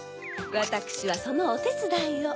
わたくしはそのおてつだいを。